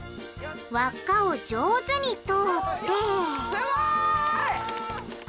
輪っかを上手に通ってすごい！